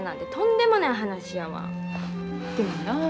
でもな。